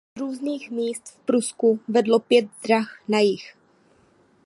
Z různých míst v Prusku vedlo pět drah na jih.